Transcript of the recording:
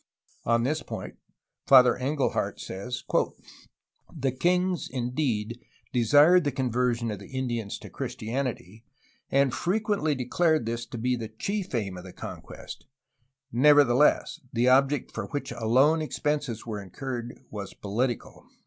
On this point Father Engelhardt says : ''The kings, indeed, desired the conversion of the Indians to Christianity, and frequently declared this to be the chief aim of the conquest; nevertheless, the object for which alone expenses were incurred was political."